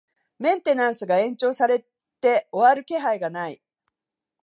メンテナンスが延長されて終わる気配がない